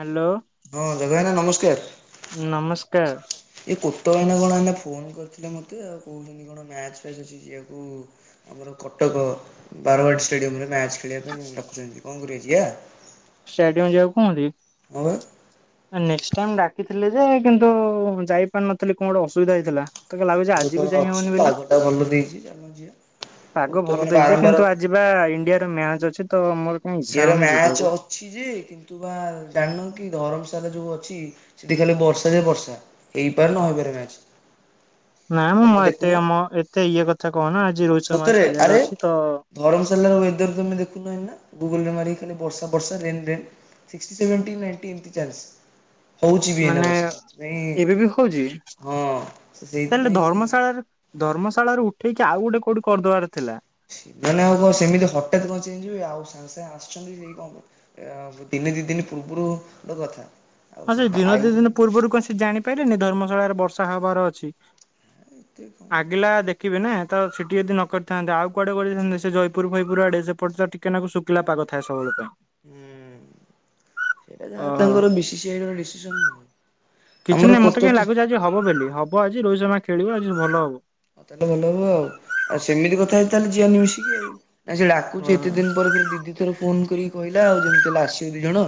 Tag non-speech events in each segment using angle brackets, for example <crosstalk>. Hello ହଁ ଜଗା ନା ନମସ୍କାର। ନମସ୍କାର। ଏ କୋଟ ଭାଇନା କଣ ଏଇନା ଫୋନ କରିଥିଲେ ମତେ ଆଉ କହୁଛନ୍ତି କଣ ମ୍ୟାଚ ଫ୍ୟାଚ ଅଛି ଯିଆକୁ। ଆମର କଟକ ବାରବାଟି ଷ୍ଟାଡିୟମରେ ମ୍ୟାଚ୍ ଖେଳିବା ପାଇଁ ଡାକୁଛନ୍ତି କଣ କରିବା ଯିଆ? ଷ୍ଟାଡିୟମ ଯିବାକୁ କହନ୍ତି। ନେଷ୍ଟ ଟାଇମ ଡାକିିଥିଲେ ଯେ କିନ୍ତୁ ଯାଇପାରିନଥିଲି କଣ ଗୋଟେ ଅସୁବିଧା ହେଇଥିଲା। <unintelligible> ଲାଗୁଚି ଏବେ ତ ଆଜି ବି ଅଛି ଯାଇହବନି ବୋଲି ପାଗଟା ଭଲ ଦେଇଛି ଚାଲୁନ ଯିବା। ପାଗ କୋତ ଭଲ ମାନେ ଦେଇଚି ବାରମ୍ବାର କିନ୍ତୁ ଆ ଯିବା ଇଣ୍ଡିଆର ମ୍ୟାଚ ଅଛି ତ ମୋ <unintelligible> ମ୍ୟାଚ ଅଛି ଯେ କିନ୍ତୁ ବା ଜାଣିନ କି ଧରମ ସାରେ ଯୋଉ ଅଛି। ସେଠି ଖାଲି ବର୍ଷା ଯେ ବର୍ଷା ହେଇପାରେ ନ ହେଇପାରେ ମ୍ୟାଚ। ନାମ ମ ଏତେ ଆମ ଏତେ ଇଏ କଥା କହନା ଆଜି ରୋହିତ ଶର୍ମା ଖେଳିବାର ଅଛି ତ ଧରମଶାଲ ର ୱେଦର ତମେ ଦେଖୁନ ଏନା ଗୁଗଲରେ ମାରି ଖାଲି ବର୍ଷା ବର୍ଷା ରେନ ରେନ୍। <unintelligible> ସେଭେଣ୍ଟିନ ନା ନାଇଟି ଏମିତି ଚାଲିଚି। ହଉଚି ବି ଏଇନା ମାନେ ବର୍ଷ ଏବେ ବି ହଉଛି ତାହେଲେ ଧର୍ମଶାଳାରେ ଧର୍ମଶାଳାରୁ ଉଠେଇକି ଆଉ ଗୋଟେ କୋଉଠି କରିଦବାର ଥିଲା। ମାନେ ଆଉ କଣ ସେମିତି ହଠାତ୍ କଣ ଚେଞ୍ଜ ହୁଏ ଆଉ ସାଙ୍ଗେ ସାଙ୍ଗେ ଆଶୁଛନ୍ତି ଇ ଆଁ ଦିନେ ଦି ଦିନ ପୂର୍ବରୁ ର କଥା। ଆଉ ହଁ ସେ ଦିନ ଦିଇ ଦିନ ଆଇଛନ୍ତି ପୂର୍ବରୁ କଣ ସେ ଜାଣିପାଇଲେନି ଧର୍ମଶାଳାରେ ବର୍ଷା ହବାର ଅଛି। ଏତେ କଣ ଆଗିଲା ଦେ ରଖିବେ ନା ତ ସେଠି ଯଦି ନ କରିଥାନ୍ତେ ଆଉ କୁଆଡେ କରିଥାନ୍ତେ ସେ ଜୟପୁର ଫୟପୁର ଆଡେ ସେପଟେ କେନାକୁ ଶୁଖିଲା ପାଗ ଥାଏ ସବୁ। <unintelligible> ହୁଁ ସେଇଟା ଯାହା ଓହୋ। ତାଙ୍କର ବିସି ସି ଆଇର ଡିସିସନ। କିଛି ଆମର ନାଇଁ ମତେ କାଇଁ କତ ଲାଗୁଛି ଆଜି ହବ ବୋଲି ହବ ଆଜି ରୋହିତ ଶର୍ମା ଖେଳିବ ଆଜି ଭଲ ହବ। ତାହେଲେ ଭଲ ହବ ଆଉ ଆଉ ସେମିତି କଥା ହେଇତା ତାହେଲେ ଯିଅନି ମିଶିକି ଆଉ ନାଇଁ ସେ ଡାକୁଛି ଏତେ ଓହୋ ଦିନ ପରେ ଫୁଣି ଦିଦି ଥର ଫୋନ କରିକି କହିଲା ଆଉ ଯେମିତି ହେଲେ ଆସିବି ଦି ଜଣ।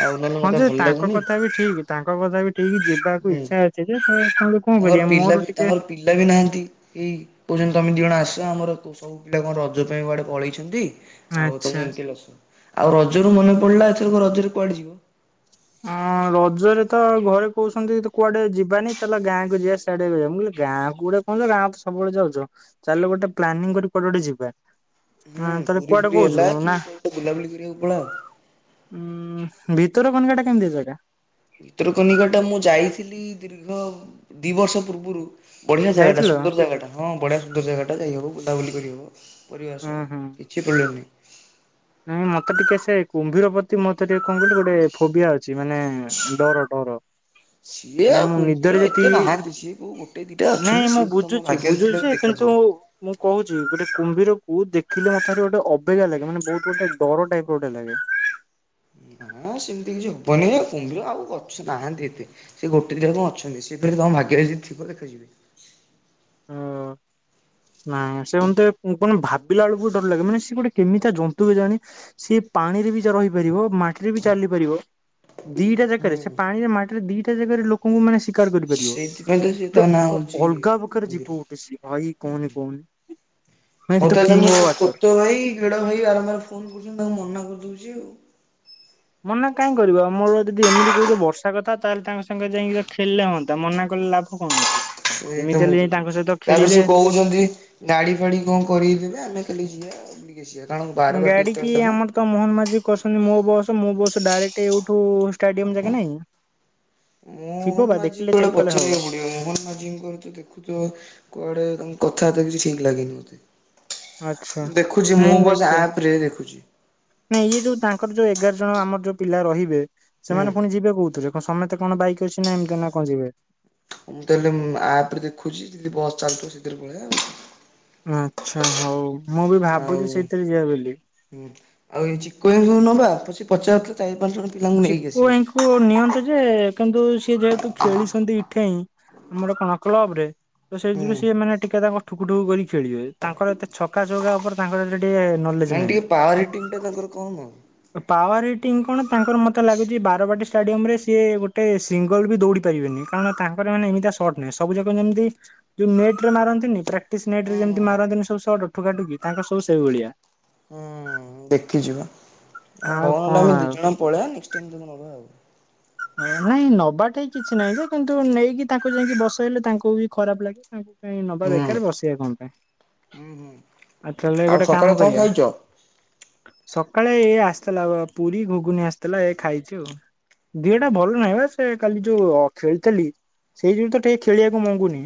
ଆଉ ନହେଲେ ହଁ ମତେ ଯେ ଭଲ ତାଙ୍କ ଲାଗୁନି କଥା ବି ଠିକ୍ ତାଙ୍କ କଥା ବି ଠିକ୍ ଯିବାକୁ ହୁଁ ଇଚ୍ଛା ଅଛି ଯେ <unintelligible> କଣ କରିବା ମୋର ଟିକେ ପିଲାବି ନାହିଁ। ଏଇ କହୁଛନ୍ତି ତମେ ଦି ଜଣ ଆସ ଆମର ସବୁ ପିଲା କଣ ରଜ ପାଇଁ କୁଆଡେ ପଳେଇଛନ୍ତି। ଆଉ ତମେ ଆଚ୍ଛା। ଏମିତି ହେଲେ ଆସ ଆଉ ରଜରୁ ମନେ ପଡିଲା ଏଥର ରଜରେ କୁଆଡେ ଯିବ? ହଁ ରଜରେ ତ ଘରେ କହୁସନ୍ତି କୁଆଡେ ଯିବାନି ଚାଲ ଗାଁ କ ଯିବାସ୍ ମୁଁ କହିଲି ଗାଁ କୁ ଗୁଟେ କଣ ଗାଁ କୁ ସବୁବେଳେ ଯାଉଛ। ଚାଲୁ ଗୋଟେ ପ୍ଲାନିଂ କରି କୁଆଡେ ଗୋଟେ ଯିବା। ହଁ ହୁଁ ତାହେଲେ ପୁରୀ କୁଆଡେ ଫୁରୀ କହୁଛୁ ହେଲା ନା କି କୁଆଡେ ବୁଲାବୁଲି କରିବାକୁ ପଳାଅ। ଉଁ ଭିତର କନିକା ଟା କେମିତି ଜାଗା? ଭିତରକନିକାଟା ମୁଁ ଯାଇଥିଲି ଦୀର୍ଘ ଦି ବର୍ଷ ପୂର୍ବରୁ। ବଢ଼ିଆ ଜାଗାଟା ଯାଇଥିଲ? ସୁନ୍ଦର ଜାଗାଟା ହଁ ବଢ଼ିଆ ସୁନ୍ଦର ଜାଗାଟା ଯାଇ ହବ ବୁଲାବୁଲି କରିହବ। ପରିବା ଉଁ ସହ ହୁଁ। କିଛି <unintelligible> ନାଇଁ ମତେ ଟିକେ ସେ କୁମ୍ଭୀର ପ୍ରତି ମତେ ଟିକେ କଣ କହିଲୁ ଗୋଟେ ଫୋବିଆ ଅଛି ମାନେ ଡର ଡର। ସିଏ ମାନେ ଆଉ ମୁଁ କୁମ୍ଭୀର ନିଦରେ ଯଦିି ଏତେ ନାହାନ୍ତି ସିଏ କୋଉ ଗୋଟେ ଦିଟା ଅଛନ୍ତି ନାଇଁ ମୁଁ ସିଏ ବି ତମ ବୁଝୁଛି ଭାଗ୍ୟରେ ବୁଝୁଛି ଥିଲେ ଯେ କିନ୍ତୁ ଦେଖାଯିବ। ମୁଁ କହୁଛି ଗୋଟେ କୁମ୍ଭୀର କୁ ଦେଖିଲେ ମତେ ଭାରି ଗୋଟ ଅବେଗିଆ ଲାଗେ ମାନେ ବହୁତ ଗୋଟେ ଡର ଟାଇପ୍ ର ଗୋଟେ ଲାଗେ। ହଁ ସେମିତି କିଛି ହବନି କୁମ୍ଭୀର ଆଉ ଅଛ ନାହାନ୍ତି ଏତେ। ସେ ଗୋଟେ ଦିନ ଆଉ କଣ ଅଛନ୍ତି ସେଇଥିରେ ତମ ଭାଗ୍ୟରେ ଜି ଥିବ ଦେଖାଯିବ। ହଁ। ନାଇଁ ସେ ମତେ କଣ ଭାବିଲା ବୁଳୁକୁ ଡର ଲାଗେ ମାନେ ସିଏ ଗୋଟେ କେମିତିଆ ଜନ୍ତୁ କେଜାଣି। ସିଏ ପାଣିରେ ବି ଜ ରହିପାରିବ ମାଟିରେ ବି ଚାଲି ପାରିବ। ଦିଟା ଜାକରେ ସେ ହୁଁ ପାଣିରେ ମାଟିରେ ଦିଟା ଜାଗାରେ ଲୋ ଲୋକଙ୍କୁ ମାନେ ଶିକାର ସେଇଥିପାଇଁ ତ ସେ ତା କରିପାରିବ ନାଁ ହଉଛି ଅଲଗା ପ୍ରକାର କୁମ୍ଭୀର। ଯିବ ଗୋଟେ ସେ ଭାଇ କହନି କ <inaudible> ହଉ ତାହେଲେ ମୁଁ କୋତ ଭାଇ ଗେଡ଼ ଭାଇ ବାରମ୍ ବାର ଫୋନ କରୁଛନ୍ତି ତାଙ୍କୁ ମନା କରିଦଉଛି ଆଉ। ମନା କାଇଁ କରିବ ମୋର ଯଦି ଏମିତି କହୁଛ ବର୍ଷା କଥା ତାହେଲେ ତାଙ୍କ ସାଙ୍ଗ ଯାଇକି ଖେଳିଲେ ହୁଅନ୍ତା ମନା କଲେ ଲାଭ କଣ ଅଛି। ଏଇ ତ ଏମିତି ମୁଁ ହେଲେ କିଏ ଯାଇ ତାଙ୍କ କହୁଛି ସହିତ ତାପରେ ଖେଳିଲେ ସେ କହୁଛନ୍ତି ଗାଡ଼ି ଫାଡ଼ି କଣ କରିକି ଜିବେ ଆମେ ଖାଲି ଯିବା ବୁଲିକି ଆସିବା କାରଣ ବାରବାଟି ଗାଡି ଏତେ କି ବାଟ ନାଁ। ଆମର ତ ମୋହନ ମାଝି କରିଛନ୍ତି ମୋ ବସ ମୋ ବସ ଡାଇରେକ୍ଟ ଏଇଠୁ ଷ୍ଟାଡିୟମ ଯାକେ ନାଇଁ ମୋହନ ଥିବ ବା ମାଝିଙ୍କୁ ଦେଖିଲେ ଗୋଟେ ଚେକ୍ କଲେ ହବ। <inaudible> ମୋହନ ମାଝିଙ୍କର ଦେଖୁଛ କୁଆଡେ ତାଙ୍କ କଥାବାର୍ତ୍ତା କିଛି ଠିକ ଲାଗେନି ମତେ। ଆଚ୍ଛା। ଦେଖୁଛି ନାଇଁ ମୁଁ ବସ ଦେଖିବା ଆପ ରେ ଦେଖୁଛି। ନାଇଁ ଇଏ ଯୋଉ ତାଙ୍କର ଯୋଉ ଏଗାର ଜଣ ଆମର ଯୋଉ ପିଲା ରହିବେ ହୁଁ। ସେମାନେ ପୁଣି ଯିବେ କଉଥିରେ। ହଁ ସମସ୍ତେ କଣ ବାଇକ୍ ଅଛି ନା ଏମିତି ନା କଣ ଯିବେ। ମୁଁ ତାହେଲେ ମୁଁ ଆପ ରେ ଦେଖୁଛି ଯଦି ବସ୍ ଚାଲୁଥିବ ସେଇଥିରେ ପଳେଇବା ଆଉ କଣ। ଆଚ୍ଛା ହଉ ମୁଁ ବି ଆଉ। ଭାବୁଛି ସେଇଥିରେ ଯିବା ବୋଲି। ହୁଁ ଆଉ ଏ ଚିକୁ ଭାଇକୁ ନବା ସେ ପଚାରୁଥିଲେ ଚାରି ପାଞ୍ଚ ଜଣ ପିଲାଙ୍କୁ ନେଇକି ଆସିବ। ତାଙ୍କୁ ନିଅନ୍ତୁ ଯେ କିନ୍ତୁ ସିଏ ଯେହେତୁ ଖେଳିଛନ୍ତି ଏଠେଇଁ ଆମର କଣ କ୍ଲବରେ। ତ ହୁଁ ସେଇଥିରୁ ସିଏ ମାନେ ଟିକେ ତାଙ୍କର ଠୁକୁ ଠୁକୁ କରି ଖେଳିବେ ତାଙ୍କର ଏତେ ଛକା ଚୌକା ଉପରେ ତାଙ୍କର ଟିକେ ନ ମାନେ ଟିକେ ପାୱାର ହିଟିଂ ଟା ତାଙ୍କର କମ ଆଉ। ପାୱାର ହିଟିଂ କଣ। ତାଙ୍କର ମୋତେ ଲାଗୁଛି ବାରବାଟୀ ଷ୍ଟାଡିୟମରେ ସିଏ ଗୋଟେ ସିଙ୍ଗଲ ବି ଦୌଡ଼ି ପାରୀବେନି। କାରଣ ତାଙ୍କର ମାନେ ଏମିତି ସ ସଟ୍ ନୁହେଁ ସବୁଯାକ ଯେମିତି ଯୋଉ ନେଟରେ ମାରନ୍ତିନି ପ୍ରା ପ୍ରାଟିସ୍ ନେଟ ହୁଁ ରେ ଯେମିତି ହୁଁ। ମାରନ୍ତିନି ସବୁ ସଟ୍ ଠୁକାଠୁକି ତାଙ୍କର ସବୁ ସେଇଭଳିଆ। ହୁଁ ଦେଖିଚି ବା ଆଉ ହଁ ଆଉ ନହେଲେ କଣ ଆମେ ଦି ଆଉ ଜଣ ପଳେଇବା ନେକ୍ସଟ୍ ଟାଇମ୍ ତାଙ୍କୁ ନବା ଆଉ। ନା ନାଇଁ ନବାଠାଇଁ କିଛି ନାହିଁ ଯେ, କିନ୍ତୁ ନେଇକି ତାଙ୍କୁ ଯାଇକି ବସେଇଲେ ତାଙ୍କୁ ବି ଖରାପ ଲାଗେ ତା କାଇଁ ନବା ହୁଁ ବେକାର ବସେଇବା କଣ ପାଇଁ। ହୁଁ ହୁଁ ଆଉ ତାଲେ ଗୋଟେ ସକାଳେ କାମ କଣ କରିବା। ଖାଇଚ? ସକାଳେ ଏ ଆସିଥିଲା ପୁରୀ ଘୁଘୁନି ଆସିଥିଲା ଏ ଖାଇଛି ଆଉ। ଦିହଟା ଭଲ ନାହିଁ ବା ସେ କାଲି ଯୋଉ ଖେଳିଥିଲି, ସେଇ ଯୋଗୁ ତ ଟିକେ ଖେଳିବାକୁ ମଙ୍ଗୁନି।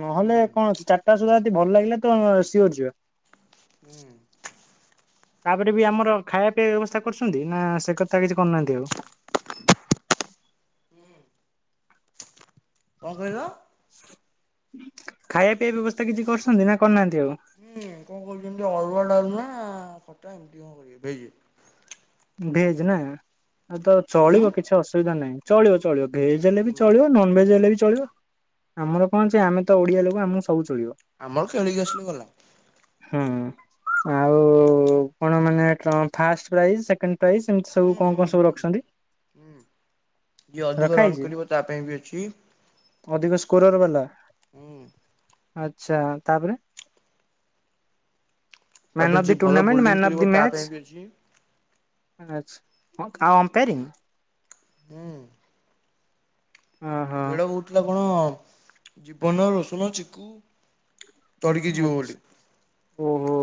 ନହେଲେ କଣ ଅଛି, ଚାରିଟା ସୁଦ୍ଧା ଯଦି ଭଲ ଲାଗିଲା ତ ସିଓର ଯିବା। ହୁଁ। ତାପରେ ବି ଆମର ଖାଇବା ପିଇବା ବ୍ୟବସ୍ଥା କରୁଛନ୍ତି, ନା ସେ କଥା କିଛି କରୁନାହାନ୍ତି ଆଉ। ହୁଁ। କଣ କହିଲ? ଖାଇବା ପିଇବା ବ୍ୟବସ୍ଥା କିଛି କରୁସନ୍ତି ନା କରିନାହାନ୍ତି ଆଉ? ହୁଁ କଣ କହୁଛନ୍ତି ଅରୁୁଆ ଡ଼ାଲମା ଖଟା ଏମିତି କଣ କରିବେ ହେଇଚି। ଭେଜ ନା ଅ ତ ଉଁ ଚଳିବ କିଛି ଅସୁବିଧା ନାହିଁ। ଚଳିବ ଚଳିବ, ଭେଜ୍ ହେଲେ ବି ଚଳିବ ନନ ଭେଜ୍ ହେଲେ ବି ଚଳିବ। ଆମର କଣ ଅଛି ଆମେ ତ ଓଡିଆ ଲୋକ ଆମକୁ ସବୁ ଚଳିବ। ଆମର ଖେଳିକି ଆସିଲେ ଗଲା। ହୁଁ ଆଉ ଉ କଣ ମାନେ ଫାଷ୍ଟ ପ୍ରାଇଜ ସେ କେଣ୍ଡ ପ୍ରାଇସ୍ ସେମିତି ହୁଁ ସବୁ କଣ ହୁଁ କଣ ସବୁ ହୁଁ ରଖିସନ୍ତି। ହୁଁ। ଯିଏ ଅଧିକ ରନ୍ ହେଇଛି? କରିବ ତା ପାଇଁ ବି ଅଛି। ଅଧିକ ସ୍କୋରର ବାଲା। ହୁଁ। ଆଚ୍ଛା ତାପରେ। ମ୍ୟାନ୍ ତାପରେ ଅଫ୍ ଯିଏ ଦି ଭଲ ଟୁର୍ଣ୍ଣାମେଣ୍ଟ ବୋଲିଂ ମ୍ୟାନ୍ ଅଫ୍ କରିବ ଦି ତା ପାଇଁ ମ୍ୟାଚ। ବି ଅଛି। ଆଚ୍ଛା କ ଆ ଆମ୍ପରିଂ। ହୁଁ। ଓହୋ ଗେଡ କହୁଥିଲା କଣ ଜୀବନ ରୋଶନ ଚିକୁ। ଧରିକି ଯିବ ବୋଲି। ଆଛା ଓହୋ।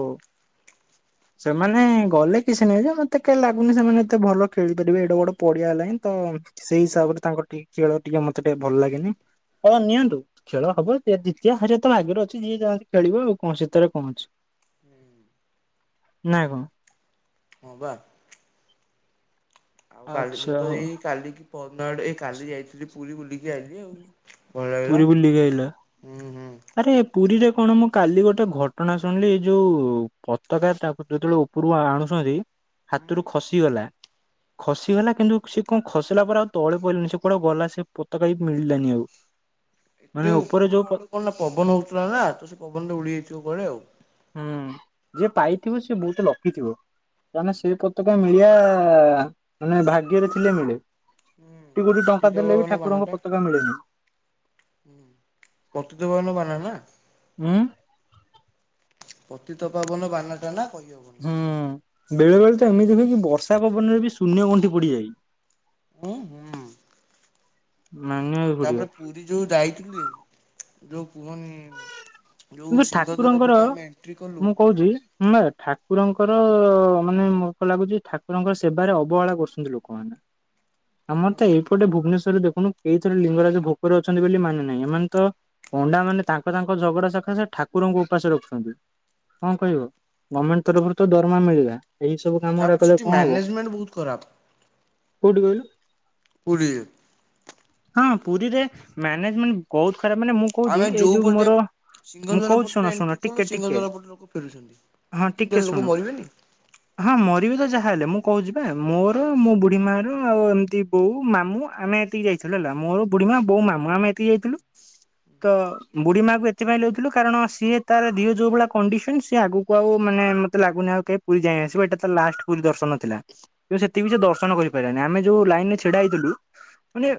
ସେମାନେ ଗଲେ କିଛି ନାହିଁ। ଯେ ମତେ କାଇଁ ଲାଗୁନି ସେମାନେ ଏତେ ଭଲ ଖେଳିପାରିବେ। ଏଡ଼େ ବଡ଼ ପଡିଆ ହେଲାଇ ତ ସେଇ ହୁଁ ହିସାବରେ ତାଙ୍କ ଟି ଖେଳ ଟିକେ ମତେ ଟିକେ ଭଲ ଲାଗେନି। ହଁ ନିଅନ୍ତୁ ଖେଳ ହବ ଯିଏ ଜିତିବା ହାରିବା ତ ଭାଗ୍ୟରେ ଅଛି ଯିଏ ଯାହା ବି ଖେଳିବ ଆଉ କଁ ସେଥେରେ କଁ ଅଛି। ନାଁ କଣ। ହଁ ପା। ଆଉ କାଲି ମୁଁ ଆଚ୍ଛା ତ ଏଇ ହଉ କାଲି କାଲି କି ପରଦିନ ଆଡ଼େ ଏଇ କାଲି ଯାଇଥିଲି ପୁରୀ ବୁଲିକି ଆଇଲିି ଆଉ। ଭଲ ଲାଗିଲା ପୁରୀ ବୁଲିକି ଆଇଲ। ହୁଁ ହୁଁ। ଆରେ ପୁରୀରେ କଣ ମୁଁ କାଲି ଗୋଟେ ଘଟଣା ଶୁଣିଲି, ଏଇ ଯୋଉ ପତକା ତାକୁ ଯେତୋବୋଳେ ଉ ପୁରୁ ଆଣୁଛନ୍ତି ହାତୁରୁ ଖସିଗଲା। ଖସିଗଲା କିନ୍ତୁ ସେ କଁ ଖସିଲା ପରେ ଆଉ ତଳେ ପଡିଲାନି। ସେ କୁଆଡେ ଗଲା ସେ ପତକା ବି ମିଳିଲାନି ଆଉ। ମାନେ ଏତେ ଉପରେ ଉପୁରୁ ଯୋଉ ପଡିଲେ କଣ ନା, ପବନ ହୋଉଥିଲା ନା ତ ସେ ପବନରେ ଉଡି ଯାଇଥିବ କୁଆଡ଼େ ଆଉ। ହୁଁ ଯିଏ ପାଇଥିବ ସିଏ ବୋହୁତ ଲକି ଥିବ। <unintelligible> ସେ ପତକା ମିଳିବା ମାନେ ଭାଗ୍ୟରେ ଥିଲେ ମିଳେ। ହୁଁ କୋଟି କୋଟି ଟଙ୍କା ପତିତ ଦେଲେ ବି ପାବନ ଠାକୁରଙ୍କ ପତକା ମିଳେନି। ହୁଁ ପତିତ ପାବନ ବାନା ନା। <unintelligible> ପତିତ ପାବନ ବାନା ଟାନା କହିହବ ହୁଁ ବେଳେ ବେଳେ ତ ଏମିତି ହୁଏ କିି ବର୍ଷା ପବନରେ ବି ଶୂନ୍ୟ ଗଣ୍ଠି ପଡିଯାଇ। <unintelligible> ମାନିବା କୁ ତାପରେ ପୁରୀ ଯୋଉ ଯାଇଥିଲି ଯୋଉ କୁହନି। କିନ୍ତୁ ଯୋଉ ସିଂଘଦ୍ୱାର ଠାକୁରଙ୍କର ପଟେ ଆମେ ଏଣ୍ଟ୍ରି କଲୁ। <unintelligible> <unintelligible> ଠାକୁରଙ୍କର ମାନେ ମୋତେ ଲାଗୁଛି ଠାକୁରଙ୍କ ସେବାରେ ଅବହେଳା କରୁଛନ୍ତି ଲୋକୋମାନେ। <inaudible> ଆମର ତ ଏଇପଟେ ଭୁବନେଶ୍ୱରରେ ଦେଖୁନୁ କେଇଥରେ ଲିଙ୍ଗରାଜ ଭୋକୋରେ ଅଛନ୍ତି ବେଲି ମାନେ ନାହିଁ ଏମାନେ ତ ପଣ୍ଡା ମାନେ ତାଙ୍କ ତାଙ୍କ ଝଗଡ଼ା <unintelligible> <unintelligible> ସେ ଠାକୁରଙ୍କୁ ଉପାସ ରଖୁଛନ୍ତି କଁ କହିବ ଗମେଣ୍ଟେ ତରଫରୁ ତ ଦରମା ମିଳିଲା। ଏଇ ସବୁ କାମ <unintelligible> ରା ତାପରେ କଲେ ସେଠି କଁ ହବ ମ୍ୟାନେଜମେଣ୍ଟ ବହୁତ ଖରାପ କୋଉଠି କହିଲୁ। ପୁରୀରେ ହଁ ପୁରୀରେ ମ୍ୟାନେଜମେଣ୍ଟ ବୋହୁତ ଖରାପ ମାନେ ମୁଁ କୋହୁଚି ଆମେ ଏଇ ଯୋଉ ପଟେ ମୋରୋ ମୁଁ ସିଂହଦ୍ୱାର କୋହୁଛି ପଟରେ ଶୁଣ ଶୁଣ ଏଣ୍ଟ୍ରି କଲୁ ଟିକେ ଟିକେ ସିଂହଦ୍ୱାର ପଟେ ଲୋକ ଫେରୁଛନ୍ତି। ହଁ ଏମିତିରେ ଟିକେ ଲୋକ ଶୁଣ। ମରିବେନି ହଁ ମରିବି ତ ଯାହା ହେଲେ ମୁଁ କୋହୁଚି ପା ମୋରୋ ମୋ ବୁଢୀ ମାର ଆଉ ଏମିତି ବୋଉ ମାମୁଁ ଆମେ ଏତିକି ଯାଇଥିଲୁ ହେଲା ମୋରୋ ବୁଢୀମା ବୋଉ ମାମୁଁ ଆମେ ଏତିକି ଯାଇଥିଲୁ। <unintelligible> ବୁଢୀ ମାକୁ ଏଥିପାଇଁ <unintelligible> ଥିଲୁ କାରଣ ସିଏ ତାର ଦିହ ଯୋଉ ଭଳିଆ କଣ୍ଡିସନ୍ ସିଏ ଆଗୁକୁ ଆଉ ମାନେ ମତେ ଲାଗୁନି ଆଉ କେ ପୁରୀ ଯାଏଁ ଆସିବ ଏଟା ତାର ଲାଷ୍ଟ ପୁରୀ ଦର୍ଶନ ଥିଲା। ସିଏ ସେତିକି ବି ସିଏ ଦର୍ଶନ କରିପାଇଲାନି ଆମେ ଯୋଉ ଲାଇନ ରେ ଛିଡା ହେଇଥିଲୁ। ମାନେ ହୁଁ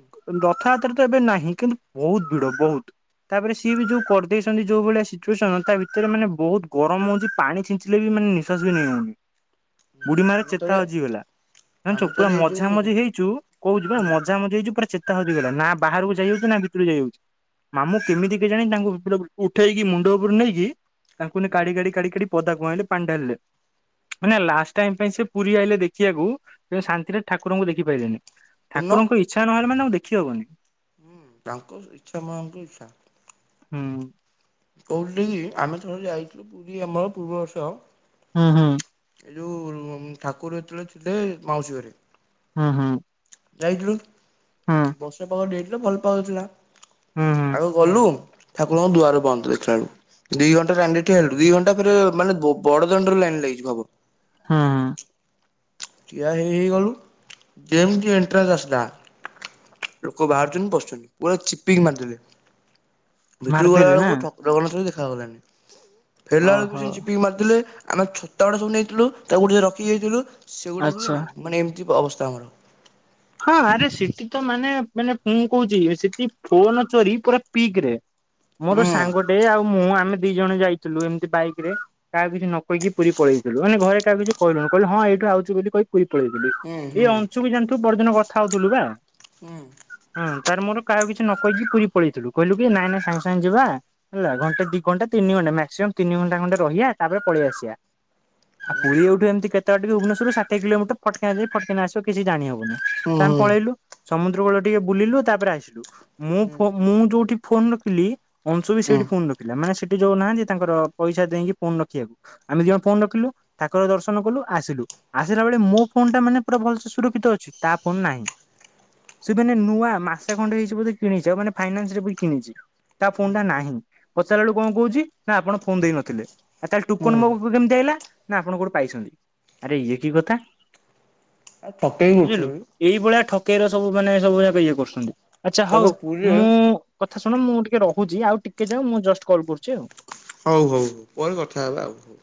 ରଥଯାତ୍ରା ତ ଏବେ ନାହିଁ କିନ୍ତୁ ବୋହୁତୁ ଭିଡ ବୋହୁତୁ ତାପରେ ସିଏ ବି ଯୋଉ କରିଦେଇ ଚନ୍ତି ଯୋଉ ଭଳିଆ ସିଚୁଏସନ୍ ତା ଭିତରେ ମାନେ ବୋହୁତ ଗରମ ହୋଉଚି ପାଣି ଛିଞ୍ଚିଲେ ବି ମାନେ ନିଶ୍ଵାସ ବି ନେଇ ହୋଉନି। ହୁଁ ବୁଢୀ ମାର ଆମେ ଥରେ ଚେତା ହଜିଗଲା। ଆମେ ଥରେ <unintelligible> ଏଇ ଯୋଉ ମଝା ହୁଁ ମଝି ହେଇଚୁ କୋହୁଚି ପା ମଝା ମଝି ହେଇଚୁ ପୁରା ଚେ ତା ହଜିଗଲା ନା ବାହାରୁକୁ ଯାଇହୋଉଚି ନା ଭିତୁରୁକୁ ଯାଇହୋଉଛି ମାମୁଁ କେମିତି କେଜାଣି ତାଙ୍କୁ <unintelligible> ଉଠେଇକି ମୁଣ୍ଡ ଓପୋରୁ ନେଇକି ତାଙ୍କୁ ନେ ହୁଁ କାଢି କାଢି କାଢି କାଢି ପଦାକୁ ଆଇଁଲେ ପାଣି ଢାଳିଲେ। ମାନେ ଲାଷ୍ଟ ଟାଇମ ପାଇଁ ସେ ପୁରୀ ଆଇିଲେ ଦେଖିବାକୁ କିନ୍ତୁ ଶାନ୍ତିରେ ଠାକୁରଙ୍କୁ ଦେଖିପାଇଲେନି। ଶୁଣୁନ ଠାକୁରଙ୍କ ଇଚ୍ଛା ନହେଲେ ମାନେ ତାଙ୍କୁ ଦେଖିହବନି। ହୁଁ ତାଙ୍କ ଇଚ୍ଛା <unintelligible> ଇଚ୍ଛା। ହୁଁ। କୋହୁଥିଲି ଆମେ ଥରେ ଯାଇଥିଲୁ ପୁରୀ ଆମର ପୂର୍ବ ବର୍ଷ ହୁଁ ହୁଁ। ଏ ଯୋଉ ଠାକୁର ଯେତେବେଳେ ଥିଲେ ମାଉସୀ ଘରେ। ହଁ, ହଁ। ଯାଇଥିଲୁ ବର୍ଷା ପାଗ ଦେଇଥିଲା ଭଲ ପାଗଥିଲା। ହୁଁ ହୁଁ ଆଉ ଗଲୁ ଠାକୁରଙ୍କ ଦୁଆର ବନ୍ଦ ଦେଖିଲା ବେଳୁକୁ। ଦିଇ ଘଣ୍ଟାରେ ରାଣ୍ଡିଟି ହେଲେ ଦିଇ ଘଣ୍ଟା ପରେ ମାନେ ବଡ ଦାଣ୍ଡରେ ଲାଇନ୍ ଲାଗିଛି ଭାବ। ହଁ ଉଁ। ଠିଆ ହେଇ ହେଇଗଲୁ ଯେମୀତ ଏଣ୍ଟ୍ରାନ୍ସ ଆସିଲା। ଲୋକ ବାହାରୁଚନି ପଶୁଛନି ପୁରା ଚିପିକି ମାରିଦେଲେ- ଭିତରୁ ଗଲା ମାରିଦେଲେ ନା ବେଳକୁ ଠାକୁରଗୁଡା ସବୁ ଦେଖାଗଲାଣି ଫେରିଲା ବେଳକୁ ଓହୋ ସେ ଚିପିକି ମାରିଲେ ଆମେଛୋଟ - ତାଡ଼ ସବୁ ନେଇଥିଲୁ ତାକୁ ଟିକିଏ ରଖି ଦେଇଥିଲୁ। ସେଗୁଡ଼ାକ ବି ଆଚ୍ଛା। ନାହିଁ ମାନେ ଏମିତି ଅବସ୍ଥା ଆମର- ହଁ ଆରେ ସେଠି ତ ମାନେ ମାନେ ମୁଁ କଉଚି ସେଠି ଫୋନ ଚୋରି ପୁରା ପିକ ରେ ମୋର ହୁଁ ସାଙ୍ଗଟେ ଆଉ ମୁଁ ଆମେ ଦି ଜଣ ଯାଇଥିଲୁ ଏମିତି ବାଇକ ରେ କାହାକୁ କିଛି ନ କହିକି ପୁରୀ ପଳେଇଥିଲୁ। ମାନେ ଘରେ କାହାକୁ କିଛି କହିନଥିଲୁ। କହିଲୁ ହଁ ଏଇଠୁ ଆଉଚୁ ବୋଲି କହିି- ପୁରୀ ପଳେଇଥିଲୁ ହୁଁ ଏଇ ହୁଁ ଅଂଞ୍ଚୁ ବି ଜାଣିୁଥିବୁ ପଡଦିନ କଥା ହଉଥିଲୁ ବା ହୁଁ। ହଁ ତାର ମୋର କାହାକୁ କିଛି ନ କହିକି ପୁରୀ ପଳେଇଥିଲୁ କହିଲୁ କି ନାଇଁ ନାଇଁ ସାଙ୍ଗେ ସାଙ୍ଗେ ଯିବା। ହେଲା ଘଣ୍ଟେ ଦି ଘଣ୍ଟା ତିନି ଘଣ୍ଟା ମାକ୍ସିମମ୍ ତିନି ଘଣ୍ଟା ଖଣ୍ଡେ ରହିବା ତାପରେ ପଳେଇ ଆସିବା। ଆ ହୁଁ ପୁରୀ ଏଇଠୁ ଏମତି କେତେ ବାଟ କି ଭୁବନେଶ୍ୱରରୁ ଷାଠିଏ କିଲୋମିଟର ପଟ୍ କି ନା ଯାଇ ପଟ୍ କିନା ଆସିବ କିଛି ଜଣିହ ହୁଁ ତାମ୍ ପଳେଇଲୁ ସମୁଦ୍ର କୂଳ ଟିକେ ବୁଲିଲୁ ତାପରେ ଆସିଲୁ ମୁଁ ହୁଁ ମୁଁ ଯୋଉଠି ଫୋନ ରଖିଲି ଅଂଶୁ ବି ହୁଁ ହୁଁ ସେଇଠି ଫୋନ ରଖିଲା ମାନେ ସେଠି ଯୋଉ ନାହାନ୍ତି ତାଙ୍କର ପଇସା ଦେଇକି ଫୋନ ରଖିବାକୁ ଆମେ ଦି ଜଣ ଫୋନ ରଖିଲୁ ଠାକୁର ଦର୍ଶନ କଲୁ ଆସିଲୁ। ଆସିଲା ବେଳେ ମୋ ଫୋନ ଟା ମାନେ ପୁରା ଭଲସେ ସୁରକ୍ଷିତ ଅଛି ତା ଫୋନ ନାହିଁ। ସେ ମାନେ ନୂଆ ମାସେ ଖଣ୍ଡେ ହେଇଚି ବୋଧେ କିଣିଚି ଆଉ ମାନେ ଫାଇନାନ୍ସ ରେ ବି କିଣିଚି। ତା ଫୋନ ଟା ନାହିଁ ପଚାରିଲା ବେଳୁ କଅଁ କୋଉଚି ନା ଆପଣ ଫୋନ ଦେଇନଥିଲେ। ଆଉ ତାହେଲେ ଟୁକନ ହୁଁ ମୋ ପାଖକୁ କେମିତି ଆଇଲା ନା ଆପଣ କୋଉଠି ପାଇଚ଼ନ୍ତି ଆରେ ଇଏ କି କଥା? ଆ ପକେଇି ବୁଝିଲୁ ଉଠୁନୁ। ଏଇଭଳିଆ ଠକେଇର ସବୁ ମାନେ ସବୁ ଯାକ ଇଏ କରୁଚ଼ନ୍ତି ଆଚ୍ଛା ତାପରେ ହଉ ପୁରୀରେ ମୁଁ କଥା ଶୁଣ ମୁଁ ଟିକେ ରହୁଛି ଆଉ ଟିକେ ଯାଉ ମୁଁ ଜଷ୍ଟ କଲ୍ କରୁଚି ଆଉ ହଉ ହଉ ପରେ କଥା ହେବା ଆଉ